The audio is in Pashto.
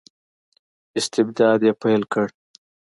استبداد یې پیل کړ.